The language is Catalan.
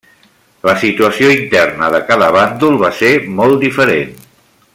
La situació interna de cada bàndol va ser molt diferent.